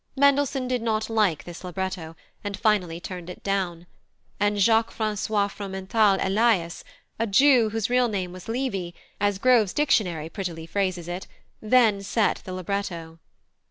Mendelssohn did not like this libretto, and finally turned it down; and Jacques François Fromental Elias, "a Jew whose real name was Levy," as Grove's Dictionary prettily phrases it, then set the libretto.